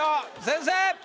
先生！